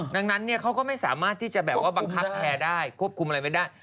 ดังนั้นเขาก็ไม่สามารถที่จะแบบว่าบังคับแพร่ได้ควบคุมอะไรไว้ได้